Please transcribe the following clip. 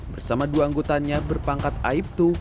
bersama dua anggotanya berpangkat aibtu